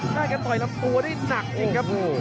น่าจะต่อยลำตัวได้หนักจริงครับ